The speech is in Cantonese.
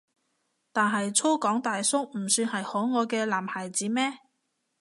但係粗獷大叔唔算係可愛嘅男孩子咩？